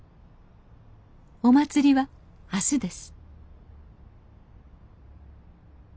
お祭りは明日です